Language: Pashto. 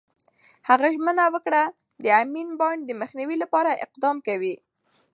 هغه ژمنه وکړه، د امین بانډ د مخنیوي لپاره اقدام کوي.